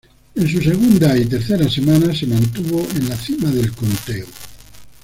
En su segunda y tercera semana, se mantuvo en la cima del conteo.